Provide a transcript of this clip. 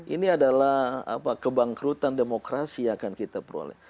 ini adalah kebangkrutan demokrasi yang akan kita peroleh